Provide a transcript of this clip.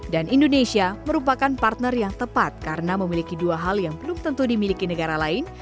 indonesia merupakan partner yang tepat karena memiliki dua hal yang belum tentu dimiliki negara lain